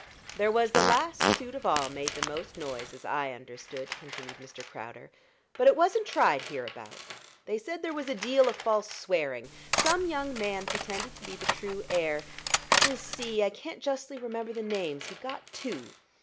"There was the last suit of all made the most noise, as I understood," continued Mr. Crowder; "but it wasn't tried hereabout. They said there was a deal o' false swearing. Some young man pretended to be the true heir let me see I can't justly remember the names he'd got two.